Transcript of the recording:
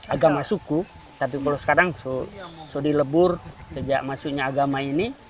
agama suku tapi kalau sekarang sudah dilebur sejak masuknya agama ini